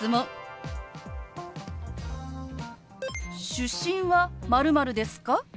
出身は○○ですか？